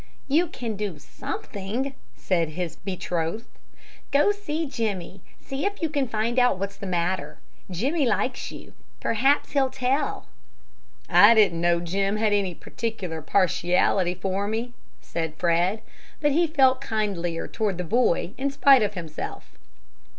"You can do something," said his betrothed. "Go to see Jimmie. See if you can't find out what's the matter. Jimmie likes you, perhaps he'll tell." "I didn't know Jim had any particular partiality for me," said Fred, but he felt kindlier toward the boy in spite of himself.